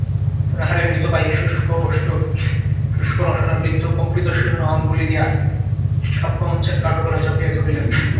অনাহারে মৃতপ্রায় শুষ্কওষ্ঠ শুষ্করসনা বৃদ্ধ কম্পিত শীর্ণ অঙ্গুলি দিয়া সাক্ষ্যমঞ্চের কাঠগড়া চাপিয়া ধরিলেন।